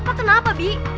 bapak kenapa b